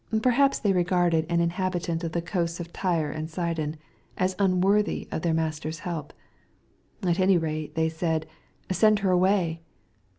Perhaps they regarded an inhabitant of the coasts of Tyre and Sidon, as un worthy of their Master's help. At any rate they said, " Send her away."